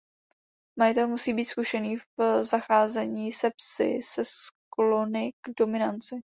Majitel musí být zkušený v zacházení se psy se sklony k dominanci.